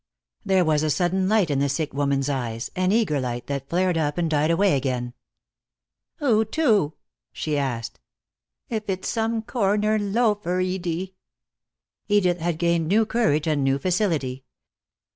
There was a sudden light in the sick woman's eyes, an eager light that flared up and died away again. "Who to?" she asked. "If it's some corner loafer, Edie " Edith had gained new courage and new facility.